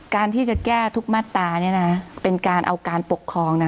การที่จะแก้ทุกมาตราเนี่ยนะเป็นการเอาการปกครองนะ